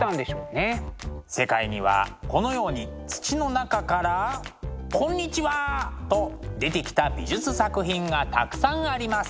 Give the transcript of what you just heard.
世界にはこのように土の中からこんにちは！と出てきた美術作品がたくさんあります。